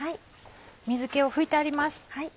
水気を拭いてあります。